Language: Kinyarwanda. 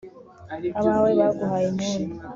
abawe baguhaye impundu